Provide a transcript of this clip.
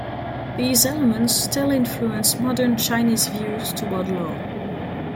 These elements still influence modern Chinese views toward law.